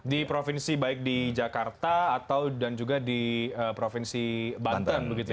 di provinsi baik di jakarta atau dan juga di provinsi banten begitu ya